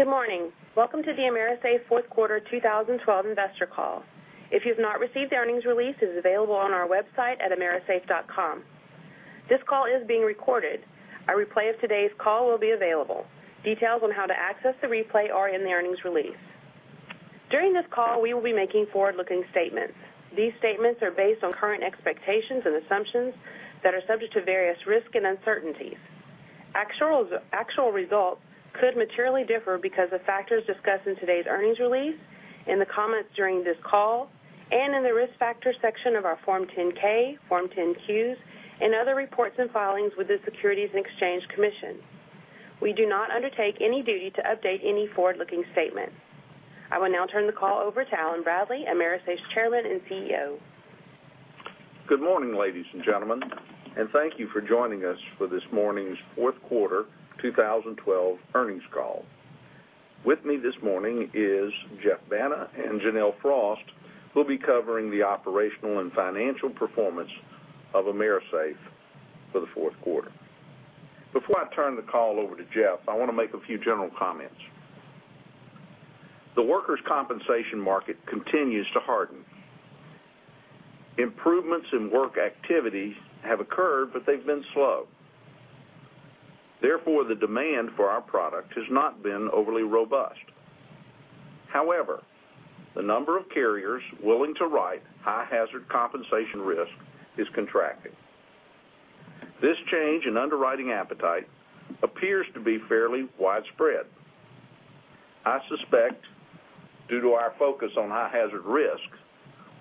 Good morning. Welcome to the AMERISAFE fourth quarter 2012 investor call. If you've not received the earnings release, it is available on our website at amerisafe.com. This call is being recorded. A replay of today's call will be available. Details on how to access the replay are in the earnings release. During this call, we will be making forward-looking statements. These statements are based on current expectations and assumptions that are subject to various risks and uncertainties. Actual results could materially differ because of factors discussed in today's earnings release, in the comments during this call, and in the Risk Factors section of our Form 10-K, Form 10-Qs, and other reports and filings with the Securities and Exchange Commission. We do not undertake any duty to update any forward-looking statement. I will now turn the call over to Allen Bradley, AMERISAFE's Chairman and CEO. Good morning, ladies and gentlemen, and thank you for joining us for this morning's fourth quarter 2012 earnings call. With me this morning is Jeff Banta and Janelle Frost, who'll be covering the operational and financial performance of AMERISAFE for the fourth quarter. Before I turn the call over to Jeff, I want to make a few general comments. The workers' compensation market continues to harden. Improvements in work activity have occurred, but they've been slow. Therefore, the demand for our product has not been overly robust. However, the number of carriers willing to write high-hazard compensation risk is contracting. This change in underwriting appetite appears to be fairly widespread. I suspect, due to our focus on high-hazard risk,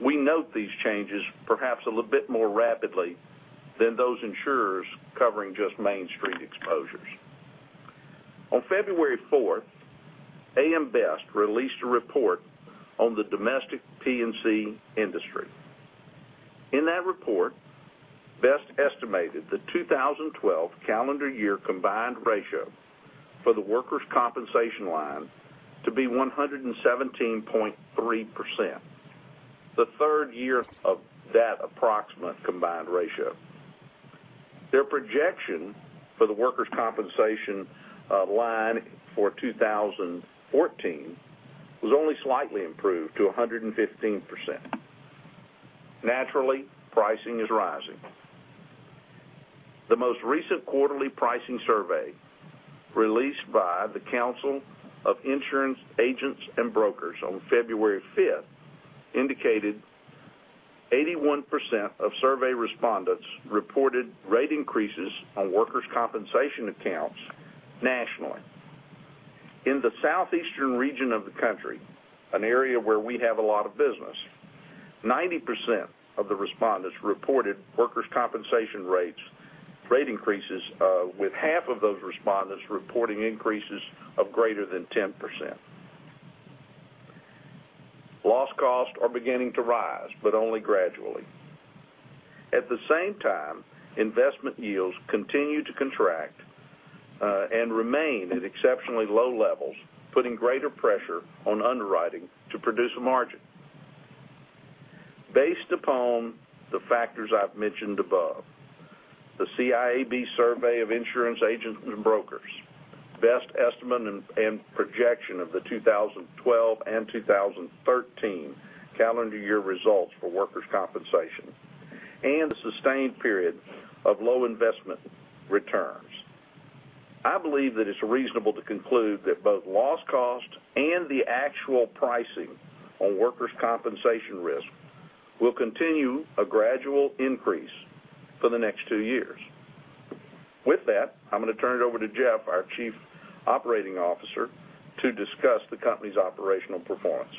we note these changes perhaps a little bit more rapidly than those insurers covering just mainstream exposures. On February 4th, AM Best released a report on the domestic P&C industry. In that report, Best estimated the 2012 calendar year combined ratio for the workers' compensation line to be 117.3%, the third year of that approximate combined ratio. Their projection for the workers' compensation line for 2014 was only slightly improved to 115%. Naturally, pricing is rising. The most recent quarterly pricing survey, released by the Council of Insurance Agents & Brokers on February 5th, indicated 81% of survey respondents reported rate increases on workers' compensation accounts nationally. In the southeastern region of the country, an area where we have a lot of business, 90% of the respondents reported workers' compensation rate increases, with half of those respondents reporting increases of greater than 10%. Loss costs are beginning to rise, but only gradually. At the same time, investment yields continue to contract, and remain at exceptionally low levels, putting greater pressure on underwriting to produce a margin. Based upon the factors I've mentioned above, the CIAB survey of insurance agents and brokers, Best estimate and projection of the 2012 and 2013 calendar year results for workers' compensation, and the sustained period of low investment returns, I believe that it's reasonable to conclude that both loss cost and the actual pricing on workers' compensation risk will continue a gradual increase for the next two years. With that, I'm going to turn it over to Jeff, our Chief Operating Officer, to discuss the company's operational performance.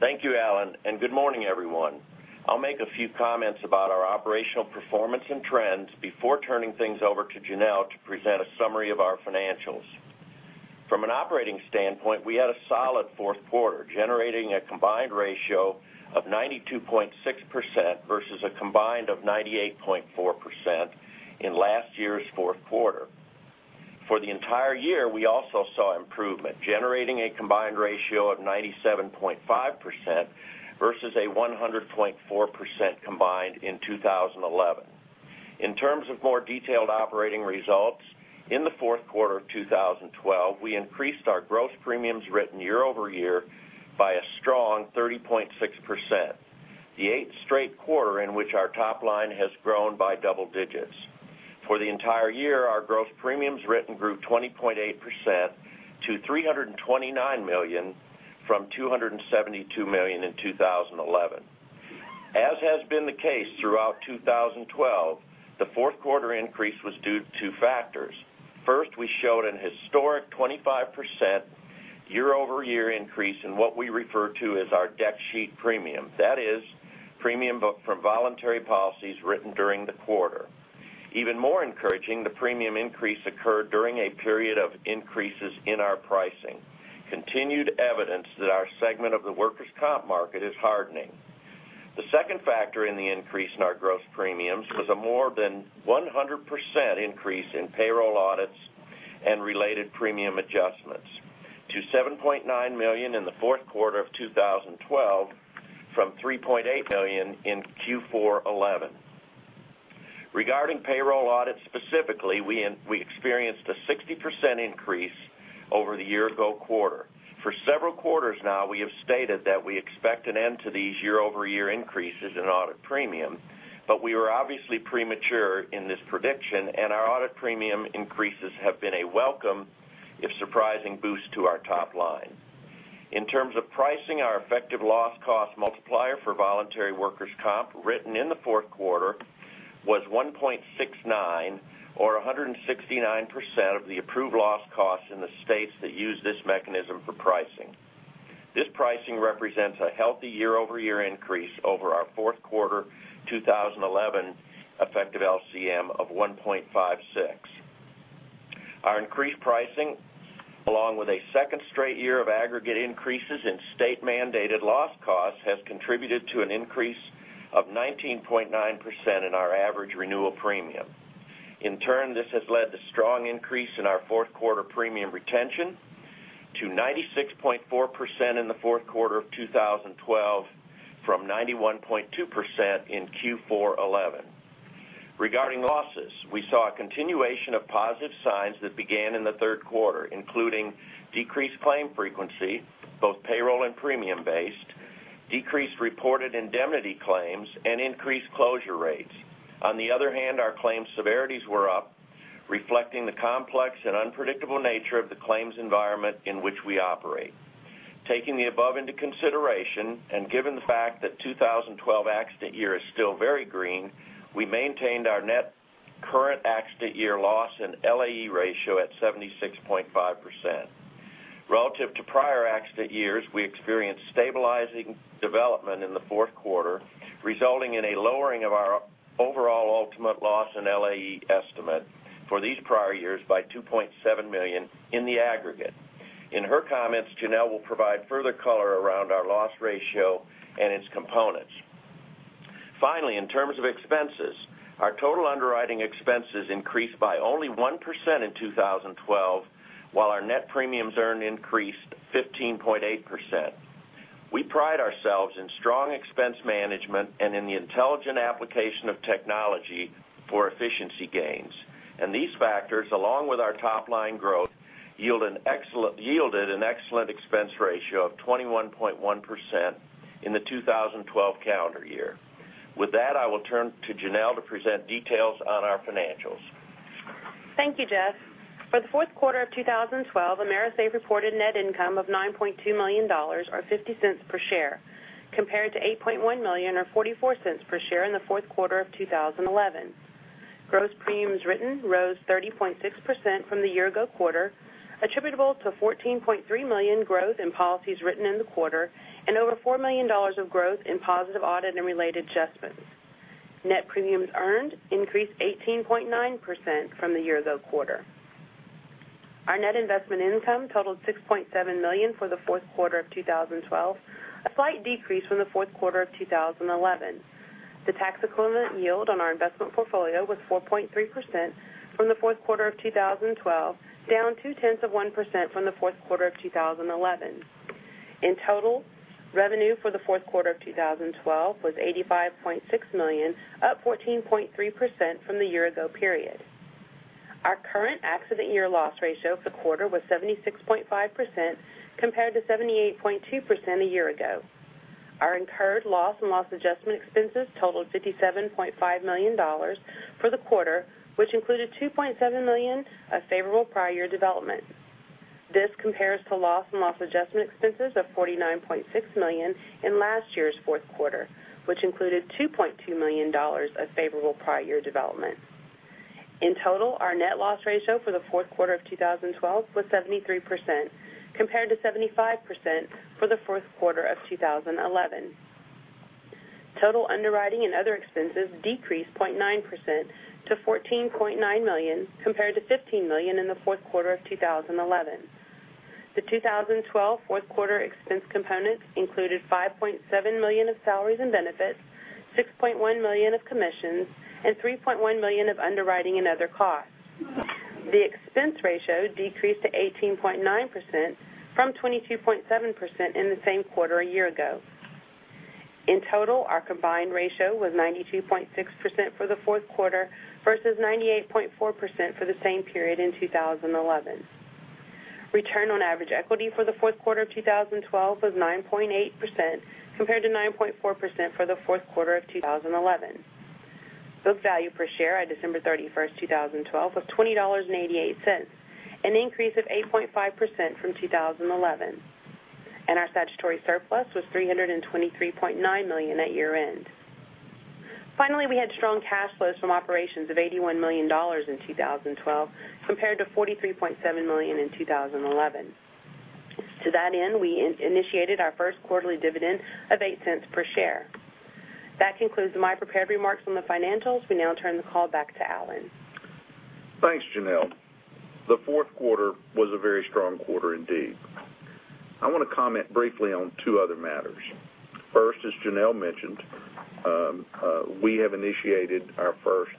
Thank you, Allen, and good morning, everyone. I'll make a few comments about our operational performance and trends before turning things over to Janelle to present a summary of our financials. From an operating standpoint, we had a solid fourth quarter, generating a combined ratio of 92.6% versus a combined of 98.4% in last year's fourth quarter. For the entire year, we also saw improvement, generating a combined ratio of 97.5% versus a 100.4% combined in 2011. In terms of more detailed operating results, in the fourth quarter of 2012, we increased our gross premiums written year-over-year by a strong 30.6%, the eighth straight quarter in which our top line has grown by double digits. For the entire year, our gross premiums written grew 20.8% to $329 million from $272 million in 2011. As has been the case throughout 2012, the fourth quarter increase was due to two factors. First, we showed an historic 25% year-over-year increase in what we refer to as our Dec Sheet premium. That is, premium from voluntary policies written during the quarter. Even more encouraging, the premium increase occurred during a period of increases in our pricing, continued evidence that our segment of the workers' comp market is hardening. The second factor in the increase in our gross premiums was a more than 100% increase in payroll audits and related premium adjustments to $7.9 million in the fourth quarter of 2012 from $3.8 million in Q4 2011. Regarding payroll audits specifically, we experienced a 60% increase over the year-ago quarter. For several quarters now, we have stated that we expect an end to these year-over-year increases in audit premium, we were obviously premature in this prediction, our audit premium increases have been a welcome, if surprising, boost to our top line. In terms of pricing, our effective loss cost multiplier for voluntary workers' comp written in the fourth quarter was 1.69 or 169% of the approved loss cost in the states that use this mechanism for pricing. This pricing represents a healthy year-over-year increase over our fourth quarter 2011 effective LCM of 1.56. Our increased pricing, along with a second straight year of aggregate increases in state-mandated loss costs, has contributed to an increase of 19.9% in our average renewal premium. In turn, this has led to strong increase in our fourth quarter premium retention to 96.4% in the fourth quarter of 2012 from 91.2% in Q4 2011. Regarding losses, we saw a continuation of positive signs that began in the third quarter, including decreased claim frequency, both payroll and premium-based, decreased reported indemnity claims, increased closure rates. On the other hand, our claims severities were up, reflecting the complex and unpredictable nature of the claims environment in which we operate. Taking the above into consideration, given the fact that 2012 accident year is still very green, we maintained our net current accident year loss in LAE ratio at 76.5%. Relative to prior accident years, we experienced stabilizing development in the fourth quarter, resulting in a lowering of our overall ultimate loss in LAE estimate for these prior years by $2.7 million in the aggregate. In her comments, Janelle will provide further color around our loss ratio and its components. Finally, in terms of expenses, our total underwriting expenses increased by only 1% in 2012, while our net premiums earned increased 15.8%. We pride ourselves in strong expense management and in the intelligent application of technology for efficiency gains. These factors, along with our top-line growth, yielded an excellent expense ratio of 21.1% in the 2012 calendar year. With that, I will turn to Janelle to present details on our financials. Thank you, Jeff. For the fourth quarter of 2012, AMERISAFE reported net income of $9.2 million, or $0.50 per share, compared to $8.1 million or $0.44 per share in the fourth quarter of 2011. Gross premiums written rose 30.6% from the year-ago quarter, attributable to $14.3 million growth in policies written in the quarter and over $4 million of growth in positive audit and related adjustments. Net premiums earned increased 18.9% from the year-ago quarter. Our net investment income totaled $6.7 million for the fourth quarter of 2012, a slight decrease from the fourth quarter of 2011. The tax-equivalent yield on our investment portfolio was 4.3% from the fourth quarter of 2012, down two-tenths of 1% from the fourth quarter of 2011. In total, revenue for the fourth quarter of 2012 was $85.6 million, up 14.3% from the year-ago period. Our current accident year loss ratio for the quarter was 76.5%, compared to 78.2% a year ago. Our incurred loss and loss adjustment expenses totaled $57.5 million for the quarter, which included $2.7 million of favorable prior year development. This compares to loss and loss adjustment expenses of $49.6 million in last year's fourth quarter, which included $2.2 million of favorable prior year development. In total, our net loss ratio for the fourth quarter of 2012 was 73%, compared to 75% for the fourth quarter of 2011. Total underwriting and other expenses decreased 0.9% to $14.9 million, compared to $15 million in the fourth quarter of 2011. The 2012 fourth quarter expense components included $5.7 million of salaries and benefits, $6.1 million of commissions, and $3.1 million of underwriting and other costs. The expense ratio decreased to 18.9% from 22.7% in the same quarter a year ago. In total, our combined ratio was 92.6% for the fourth quarter versus 98.4% for the same period in 2011. Return on average equity for the fourth quarter of 2012 was 9.8%, compared to 9.4% for the fourth quarter of 2011. Book value per share at December 31st, 2012, was $20.88, an increase of 8.5% from 2011. Our statutory surplus was $323.9 million at year-end. Finally, we had strong cash flows from operations of $81 million in 2012, compared to $43.7 million in 2011. To that end, we initiated our first quarterly dividend of $0.08 per share. That concludes my prepared remarks on the financials. We now turn the call back to Allen. Thanks, Janelle. The fourth quarter was a very strong quarter indeed. I want to comment briefly on two other matters. First, as Janelle mentioned, we have initiated our first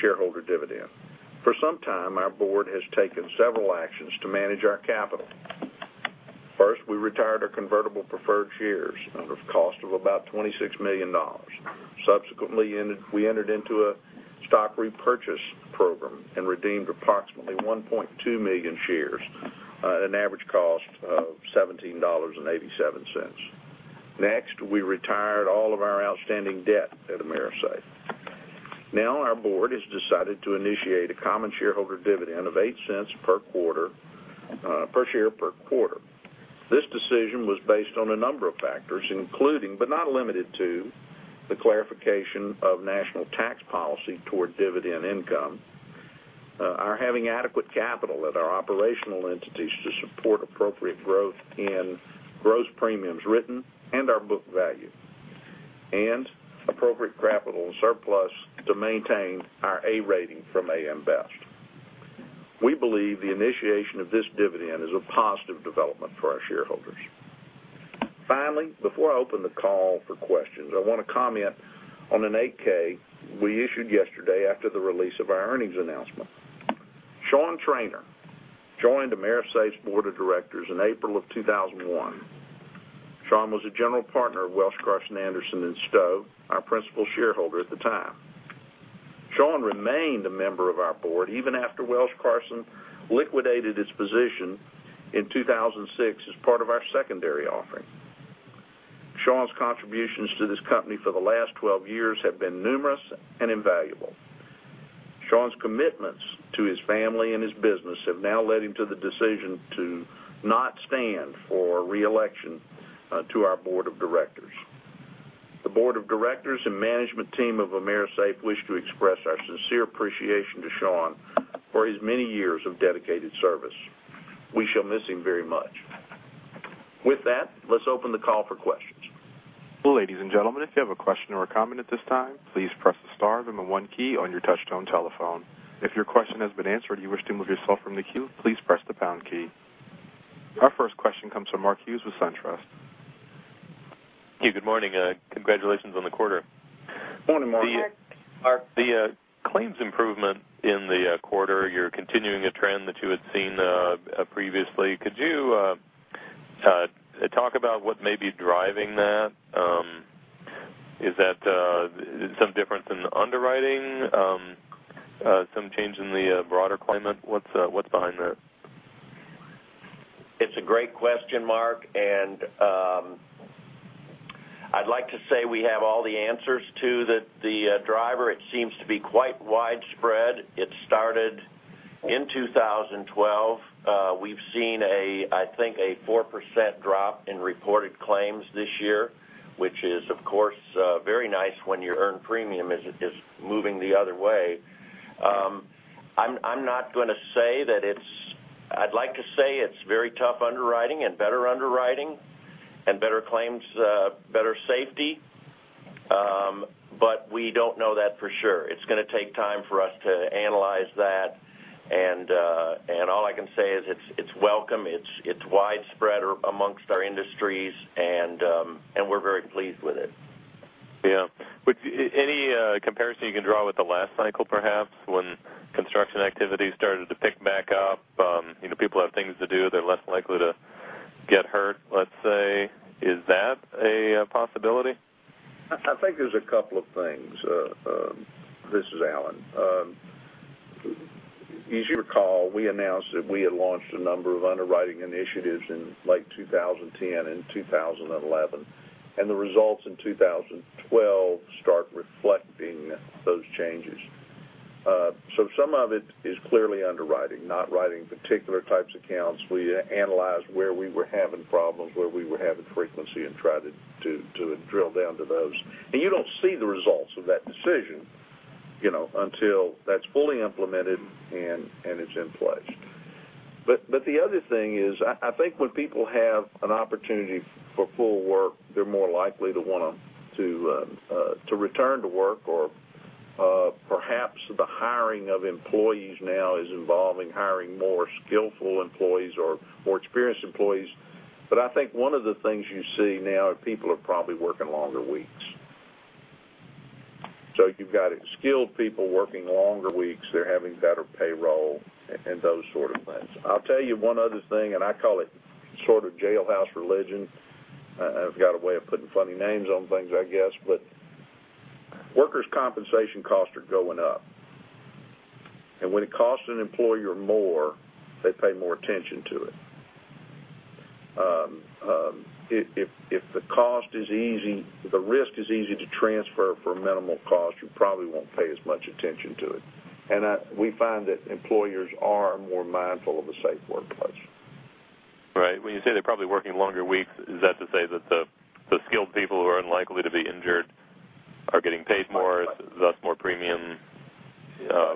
shareholder dividend. For some time, our board has taken several actions to manage our capital We retired our convertible preferred shares at a cost of about $26 million. Subsequently, we entered into a stock repurchase program and redeemed approximately 1.2 million shares at an average cost of $17.87. Next, we retired all of our outstanding debt at AMERISAFE. Our board has decided to initiate a common shareholder dividend of $0.08 per share per quarter. This decision was based on a number of factors, including, but not limited to, the clarification of national tax policy toward dividend income, our having adequate capital at our operational entities to support appropriate growth in gross premiums written and our book value, and appropriate capital and surplus to maintain our A rating from AM Best. We believe the initiation of this dividend is a positive development for our shareholders. Finally, before I open the call for questions, I want to comment on an 8-K we issued yesterday after the release of our earnings announcement. Sean Traynor joined AMERISAFE's board of directors in April of 2001. Sean was a general partner of Welsh, Carson, Anderson & Stowe, our principal shareholder at the time. Sean remained a member of our board even after Welsh Carson liquidated its position in 2006 as part of our secondary offering. Sean's contributions to this company for the last 12 years have been numerous and invaluable. Sean's commitments to his family and his business have now led him to the decision to not stand for re-election to our board of directors. The board of directors and management team of AMERISAFE wish to express our sincere appreciation to Sean for his many years of dedicated service. We shall miss him very much. With that, let's open the call for questions. Ladies and gentlemen, if you have a question or a comment at this time, please press the star then the one key on your touchtone telephone. If your question has been answered and you wish to remove yourself from the queue, please press the pound key. Our first question comes from Mark Hughes with SunTrust. Okay, good morning. Congratulations on the quarter. Morning, Mark. Mark. The claims improvement in the quarter, you're continuing a trend that you had seen previously. Could you talk about what may be driving that? Is that some difference in the underwriting? Some change in the broader climate? What's behind that? It's a great question, Mark. I'd like to say we have all the answers to the driver. It seems to be quite widespread. It started in 2012. We've seen, I think, a 4% drop in reported claims this year, which is, of course, very nice when your earned premium is moving the other way. I'd like to say it's very tough underwriting and better underwriting and better claims, better safety, but we don't know that for sure. It's going to take time for us to analyze that, and all I can say is it's welcome. It's widespread amongst our industries, and we're very pleased with it. Yeah. Any comparison you can draw with the last cycle, perhaps, when construction activity started to pick back up? People have things to do, they're less likely to get hurt, let's say. Is that a possibility? I think there's a couple of things. This is Alan. As you recall, we announced that we had launched a number of underwriting initiatives in late 2010 and 2011, the results in 2012 start reflecting those changes. Some of it is clearly underwriting, not writing particular types of accounts. We analyzed where we were having problems, where we were having frequency, tried to drill down to those, and you don't see the results of that decision until that's fully implemented and is in place. The other thing is, I think when people have an opportunity for full work, they're more likely to want to return to work, or perhaps the hiring of employees now is involving hiring more skillful employees or more experienced employees. I think one of the things you see now are people are probably working longer weeks. You've got skilled people working longer weeks. They're having better payroll and those sort of things. I'll tell you one other thing. I call it sort of jailhouse religion. I've got a way of putting funny names on things, I guess, workers' compensation costs are going up, and when it costs an employer more, they pay more attention to it. If the risk is easy to transfer for a minimal cost, you probably won't pay as much attention to it, we find that employers are more mindful of a safe workplace. Right. When you say they're probably working longer weeks, is that to say that the skilled people who are unlikely to be injured are getting paid more, thus more premium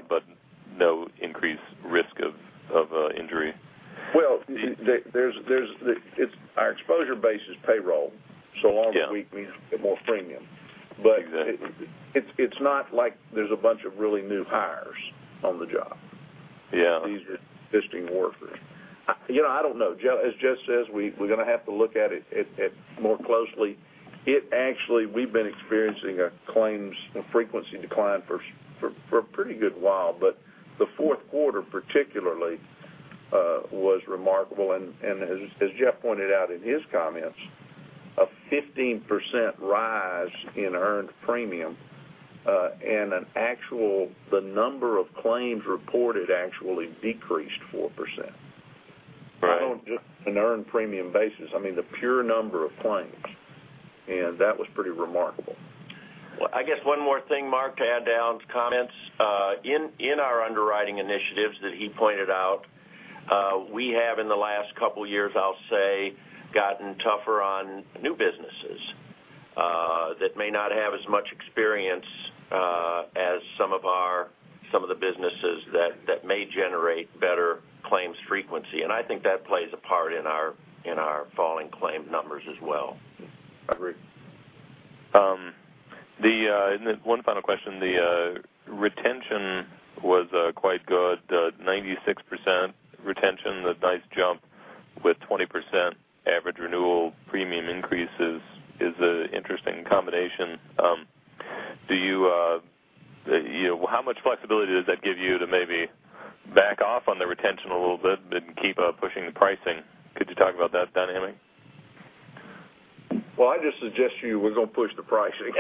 but no increased risk of injury? Well, our exposure base is payroll. Yeah. Longer week means more premium. Exactly. It's not like there's a bunch of really new hires on the job. Yeah. These are existing workers. I don't know. As Jeff says, we're going to have to look at it more closely. It actually, we've been experiencing a claims frequency decline for a pretty good while, but the fourth quarter particularly was remarkable and as Jeff pointed out in his comments, a 15% rise in earned premium, and the number of claims reported actually decreased 4%. Right. Not on just an earned premium basis, I mean, the pure number of claims. That was pretty remarkable. Well, I guess one more thing, Mark, to add to Allen's comments. In our underwriting initiatives that he pointed out, we have in the last couple years, I'll say, gotten tougher on new businesses that may not have as much experience as some of the businesses that may generate better claims frequency. I think that plays a part in our falling claim numbers as well. Agreed. One final question. The retention was quite good, 96% retention, a nice jump with 20% average renewal premium increases is an interesting combination. How much flexibility does that give you to maybe back off on the retention a little bit and keep pushing the pricing? Could you talk about that dynamic? Well, I just suggest to you we're going to push the pricing.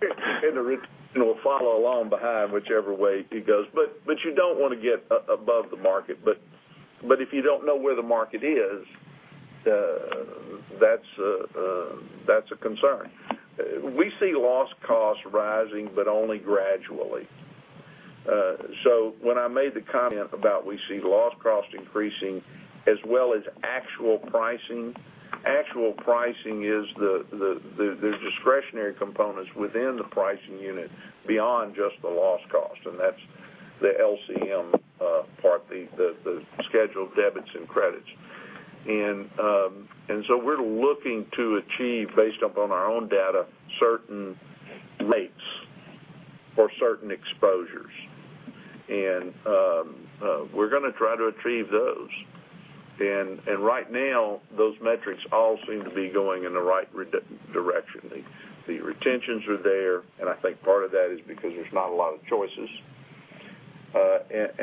The retention will follow along behind whichever way it goes. You don't want to get above the market. If you don't know where the market is, that's a concern. We see loss costs rising, but only gradually. When I made the comment about we see loss costs increasing as well as actual pricing, actual pricing is the discretionary components within the pricing unit beyond just the loss cost. That's the LCM part, the scheduled debits and credits. We're looking to achieve, based upon our own data, certain rates for certain exposures. We're going to try to achieve those. Right now, those metrics all seem to be going in the right direction. The retentions are there, and I think part of that is because there's not a lot of choices.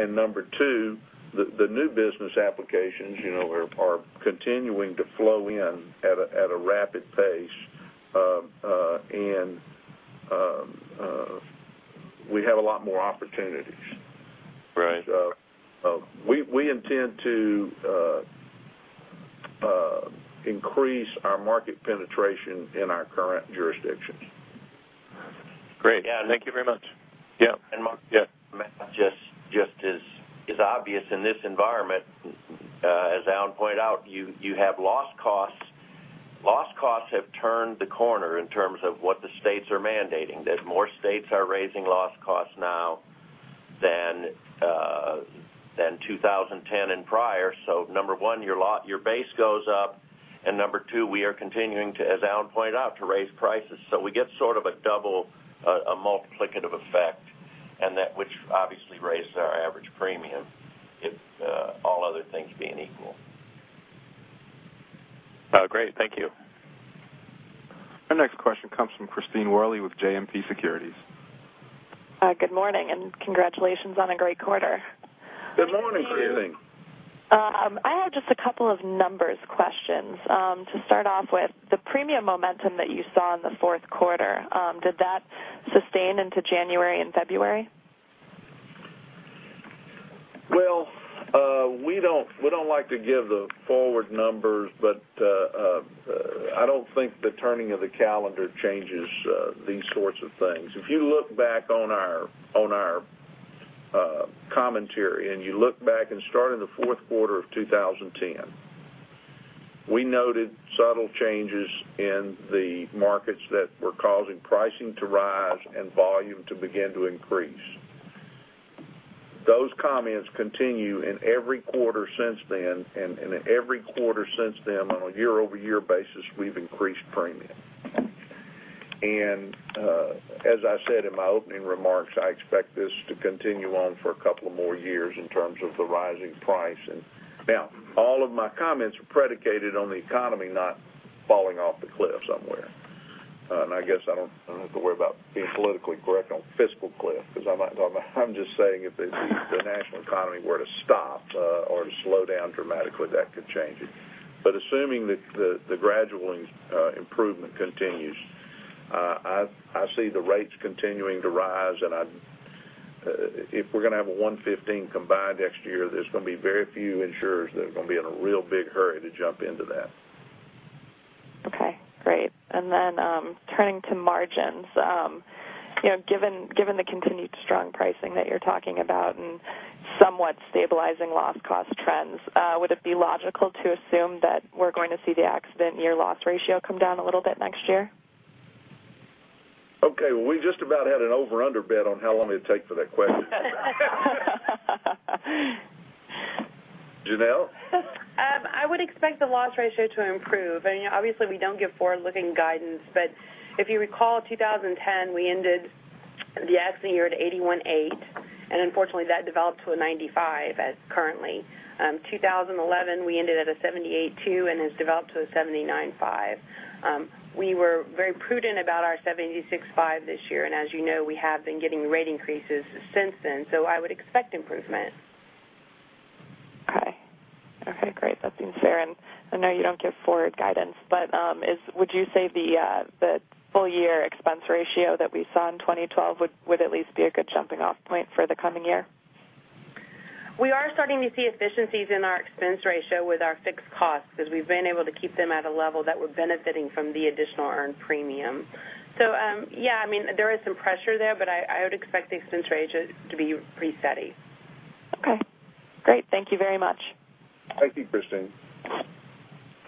Number 2, the new business applications are continuing to flow in at a rapid pace, and we have a lot more opportunities. Right. We intend to increase our market penetration in our current jurisdictions. Great. Thank you very much. Yep. Mark, just as is obvious in this environment, as Alan pointed out, you have loss costs. Loss costs have turned the corner in terms of what the states are mandating, that more states are raising loss costs now than 2010 and prior. Number one, your base goes up, and number two, we are continuing to, as Alan pointed out, to raise prices. We get sort of a double, a multiplicative effect and that which obviously raises our average premium, all other things being equal. Great. Thank you. Our next question comes from Christine Worley with JMP Securities. Good morning, and congratulations on a great quarter. Good morning, Christine. Good morning. I have just a couple of numbers questions. To start off with, the premium momentum that you saw in the fourth quarter, did that sustain into January and February? Well, we don't like to give the forward numbers, but I don't think the turning of the calendar changes these sorts of things. If you look back on our commentary and you look back and start in the fourth quarter of 2010, we noted subtle changes in the markets that were causing pricing to rise and volume to begin to increase. Those comments continue in every quarter since then, and in every quarter since then on a year-over-year basis, we've increased premium. As I said in my opening remarks, I expect this to continue on for a couple of more years in terms of the rising price. Now, all of my comments are predicated on the economy not falling off a cliff somewhere. I guess I don't have to worry about being politically correct on fiscal cliff because I'm not I'm just saying if the national economy were to stop or to slow down dramatically, that could change it. Assuming that the gradual improvement continues, I see the rates continuing to rise and if we're going to have a 115 combined next year, there's going to be very few insurers that are going to be in a real big hurry to jump into that. Okay, great. Turning to margins. Given the continued strong pricing that you're talking about and somewhat stabilizing loss cost trends, would it be logical to assume that we're going to see the accident year loss ratio come down a little bit next year? Okay. Well, we just about had an over under bid on how long it'd take for that question. Janelle? I would expect the loss ratio to improve. Obviously, we don't give forward-looking guidance, if you recall 2010, we ended The accident year at 81.8%, unfortunately, that developed to a 95% currently. 2011, we ended at a 78.2% and has developed to a 79.5%. We were very prudent about our 76.5% this year, as you know, we have been getting rate increases since then, I would expect improvement. Okay. Great. That seems fair. I know you don't give forward guidance, but would you say the full year expense ratio that we saw in 2012 would at least be a good jumping off point for the coming year? We are starting to see efficiencies in our expense ratio with our fixed costs, because we've been able to keep them at a level that we're benefiting from the additional earned premium. Yeah, there is some pressure there, but I would expect the expense ratio to be pretty steady. Okay, great. Thank you very much. Thank you, Christine.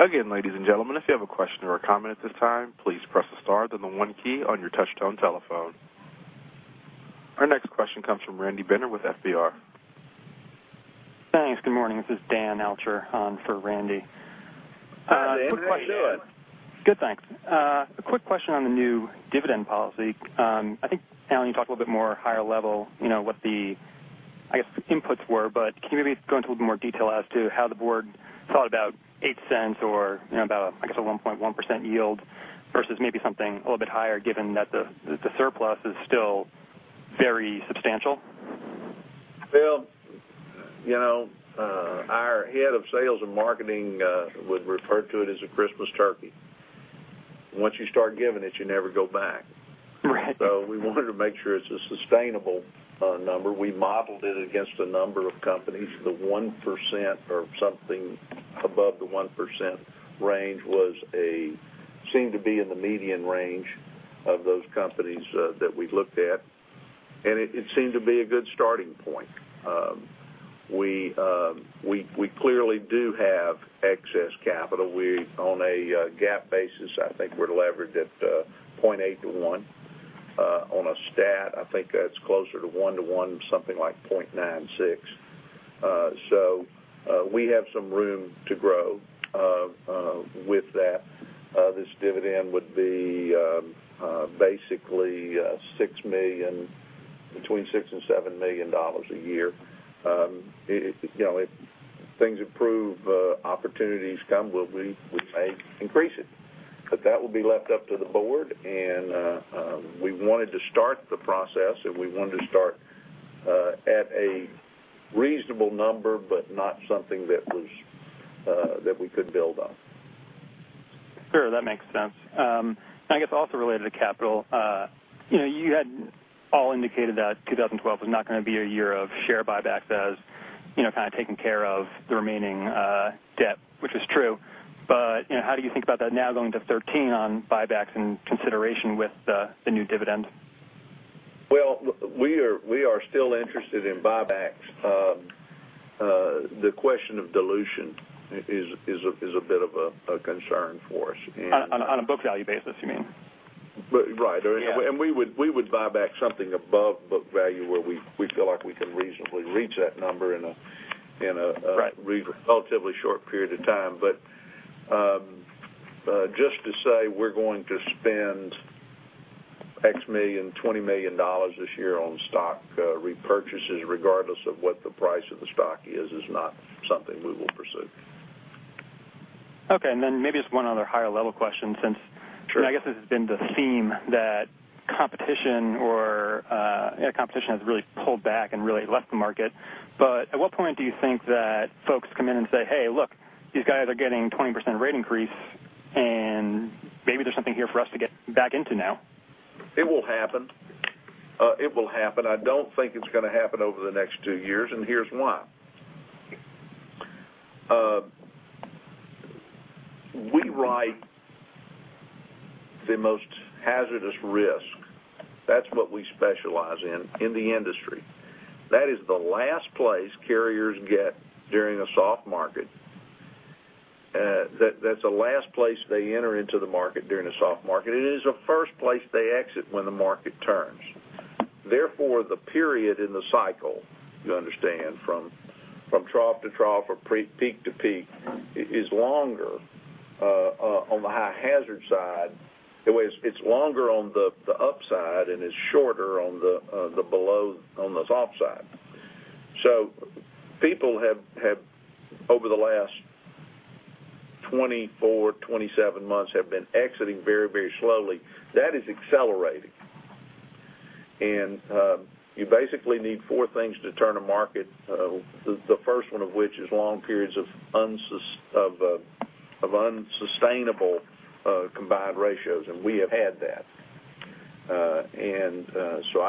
Again, ladies and gentlemen, if you have a question or a comment at this time, please press the star then the one key on your touchtone telephone. Our next question comes from Randy Binner with FBR. Thanks. Good morning. This is Dan Altscher on for Randy. Hi Dan, how you doing? Good, thanks. A quick question on the new dividend policy. I think, Alan, you talked a little bit more higher level, what the inputs were. Can you maybe go into a little bit more detail as to how the board thought about $0.08 or about a 1.1% yield versus maybe something a little bit higher, given that the surplus is still very substantial? Well, our head of sales and marketing would refer to it as a Christmas turkey. Once you start giving it, you never go back. Right. We wanted to make sure it's a sustainable number. We modeled it against a number of companies. The 1% or something above the 1% range seemed to be in the median range of those companies that we looked at, and it seemed to be a good starting point. We clearly do have excess capital. On a GAAP basis, I think we're leveraged at 0.8 to 1. On a stat, I think it's closer to one to one, something like 0.96. We have some room to grow with that. This dividend would be basically between $6 million and $7 million a year. If things improve, opportunities come, we may increase it. That will be left up to the board, and we wanted to start the process, and we wanted to start at a reasonable number, but not something that we could build on. Sure, that makes sense. I guess also related to capital, you had all indicated that 2012 was not going to be a year of share buybacks as kind of taking care of the remaining debt, which is true. How do you think about that now going into 2013 on buybacks in consideration with the new dividend? Well, we are still interested in buybacks. The question of dilution is a bit of a concern for us. On a book value basis, you mean? Right. Yeah. We would buy back something above book value where we feel like we can reasonably reach that number. Right Relatively short period of time. Just to say we're going to spend $20 million this year on stock repurchases, regardless of what the price of the stock is not something we will pursue. Okay, maybe just one other higher level question. Sure I guess this has been the theme that competition has really pulled back and really left the market. At what point do you think that folks come in and say, "Hey, look, these guys are getting 20% rate increase, and maybe there's something here for us to get back into now? It will happen. I don't think it's going to happen over the next two years, and here's why. We write the most hazardous risk. That's what we specialize in the industry. That is the last place carriers get during a soft market. That's the last place they enter into the market during a soft market. It is the first place they exit when the market turns. Therefore, the period in the cycle, you understand, from trough to trough or peak to peak is longer on the high hazard side. It's longer on the upside and is shorter on the soft side. People have, over the last 24, 27 months, have been exiting very slowly. That is accelerating. You basically need four things to turn a market, the first one of which is long periods of unsustainable combined ratios, and we have had that.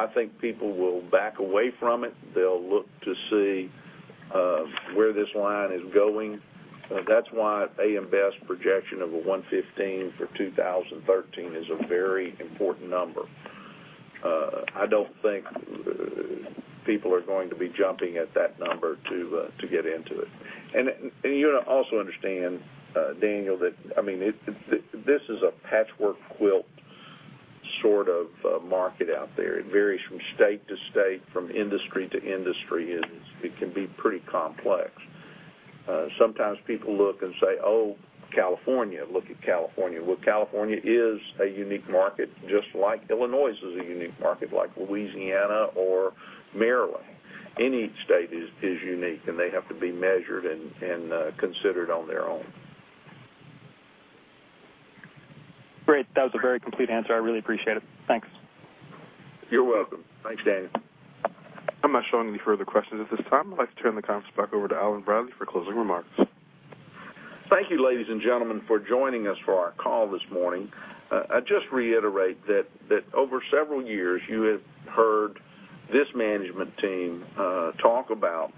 I think people will back away from it. They'll look to see where this line is going. That's why AM Best projection of a 115 for 2013 is a very important number. I don't think people are going to be jumping at that number to get into it. You ought to also understand, Dan, that this is a patchwork quilt sort of market out there. It varies from state to state, from industry to industry. It can be pretty complex. Sometimes people look and say, "Oh, California, look at California." Well, California is a unique market, just like Illinois is a unique market, like Louisiana or Maryland. Any state is unique, and they have to be measured and considered on their own. Great. That was a very complete answer. I really appreciate it. Thanks. You're welcome. Thanks, Daniel. I'm not showing any further questions at this time. I'd like to turn the conference back over to Allen Bradley for closing remarks. Thank you, ladies and gentlemen, for joining us for our call this morning. I'd just reiterate that over several years, you have heard this management team talk about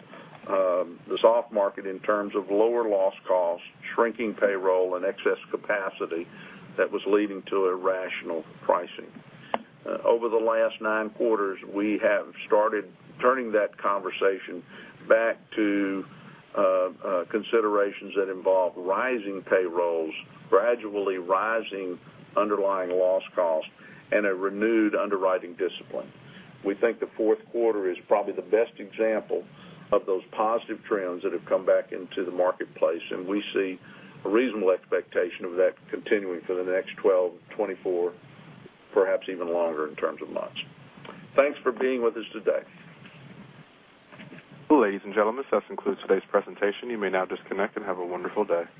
the soft market in terms of lower loss costs, shrinking payroll, and excess capacity that was leading to irrational pricing. Over the last nine quarters, we have started turning that conversation back to considerations that involve rising payrolls, gradually rising underlying loss costs, and a renewed underwriting discipline. We think the fourth quarter is probably the best example of those positive trends that have come back into the marketplace. We see a reasonable expectation of that continuing for the next 12, 24, perhaps even longer in terms of months. Thanks for being with us today. Ladies and gentlemen, this does conclude today's presentation. You may now disconnect and have a wonderful day.